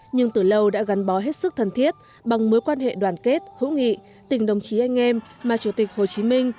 nhưng từ lâu đã gắn bó hết sức thân thiết bằng mối quan hệ đoàn kết hữu nghị tình đồng chí anh em mà chủ tịch hồ chí minh